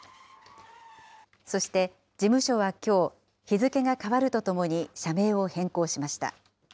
そして、事務所はきょう、日付が変わるとともに社名を変更しました。